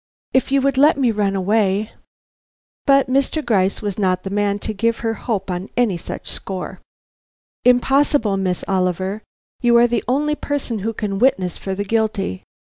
If you would let me run away " But Mr. Gryce was not the man to give her hope on any such score. "Impossible, Miss Oliver. You are the only person who can witness for the guilty.